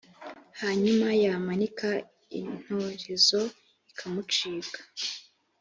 hanyuma yamanika intorezo, ikamucika